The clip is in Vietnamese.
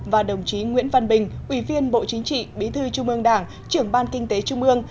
và đồng chí nguyễn văn bình ủy viên bộ chính trị bí thư trung ương đảng trưởng ban kinh tế trung ương